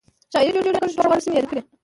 شاعر د ډیورنډ د کرښې دواړو غاړو سیمې یادې کړې